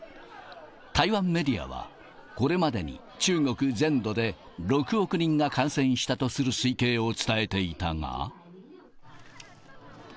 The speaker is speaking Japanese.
台湾メディアは、これまでに中国全土で６億人が感染したとする推計を伝えていたが。